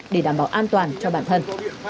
để đảm bảo an toàn cho bản thân